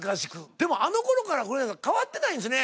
でもあの頃から黒柳さん変わってないんですね。